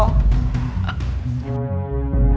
gue pengen banget punya pacar kayak lo